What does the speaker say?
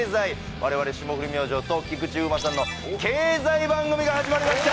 われわれ霜降り明星と菊池風磨さんの経済番組が始まりました。